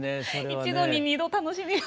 一度に２度楽しみを。